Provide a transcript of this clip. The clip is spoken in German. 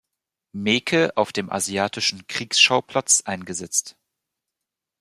Meeke auf dem asiatischen Kriegsschauplatz eingesetzt.